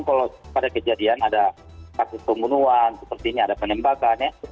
kalau pada kejadian ada kasus pembunuhan seperti ini ada penembakan ya